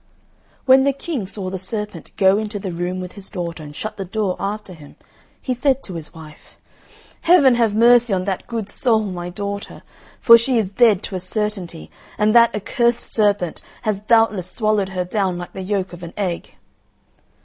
When the King saw the serpent go into the room with his daughter and shut the door after him, he said to his wife, "Heaven have mercy on that good soul, my daughter! for she is dead to a certainty, and that accursed serpent has doubtless swallowed her down like the yolk of an egg."